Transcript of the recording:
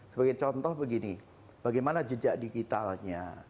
sebagai contoh begini bagaimana jejak digitalnya